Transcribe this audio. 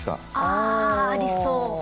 あー、ありそう。